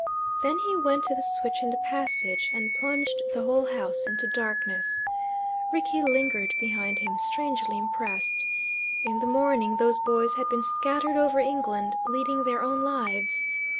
Then he went to the switch in the passage and plunged the whole house into darkness. Rickie lingered behind him, strangely impressed. In the morning those boys had been scattered over England, leading their own lives.